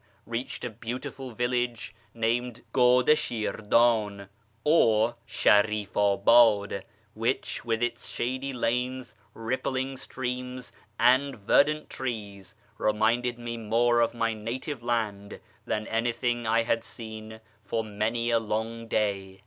reached a beautiful village named God i Shirdan or Sharifabad, which, with its shady lanes, rippling streams, and verdant trees, reminded me more of my native land than anything I had seen for many a long day.